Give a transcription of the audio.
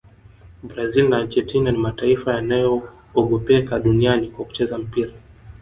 brazil na argentina ni mataifa yanayogopeka duniani kwa kucheza mpira